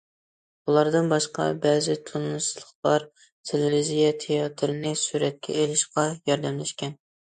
بۇلاردىن باشقا، بەزى تۇنىسلىقلار تېلېۋىزىيە تىياتىرىنى سۈرەتكە ئېلىشقا ياردەملەشكەن.